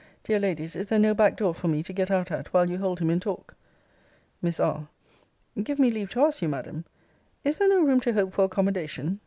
Dear Ladies, is there no back door for me to get out at while you hold him in talk? Miss R. Give me leave to ask you, Madam, Is there no room to hope for accommodation?